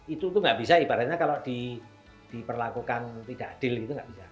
itu nggak bisa ibaratnya kalau diperlakukan tidak adil itu nggak bisa